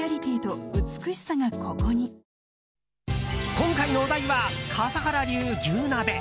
今回のお題は笠原流牛鍋。